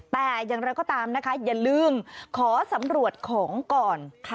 แต่อย่างไรก็ตามนะคะอย่าลืมขอสำรวจของก่อน